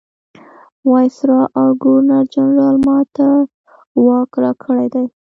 وایسرا او ګورنرجنرال ما ته واک راکړی دی.